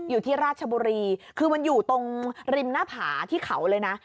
อยู่ที่ราชบุรีคือมันอยู่ตรงริมหน้าผาที่เขาเลยนะ